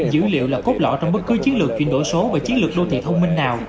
dữ liệu là cốt lõi trong bất cứ chiến lược chuyển đổi số và chiến lược đô thị thông minh nào